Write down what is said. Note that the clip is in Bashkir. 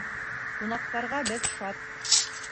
Ҡунаҡтарға беҙ шат